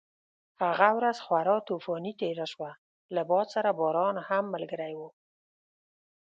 هغه ورځ خورا طوفاني تېره شوه، له باد سره باران هم ملګری و.